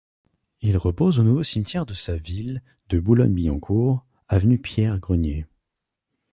Il repose au nouveau cimetière de sa ville de Boulogne-Billancourt, avenue Pierre-Grenier.